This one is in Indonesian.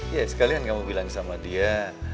ya sekalian kamu bilang sama dia